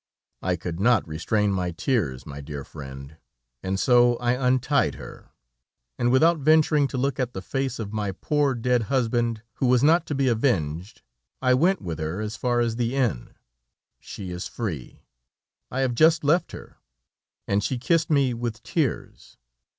"I could not restrain my tears, my dear friend, and so I untied her, and without venturing to look at the face of my poor, dead husband, who was not to be avenged, I went with her as far as the inn. She is free; I have just left her, and she kissed me with tears.